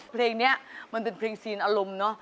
เพลงนี่มันเป็นเพลงสีนอารมณ์